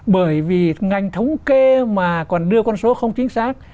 bởi vì ngành thống kê mà còn đưa con số không chính xác